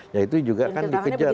ya itu juga kan dikejar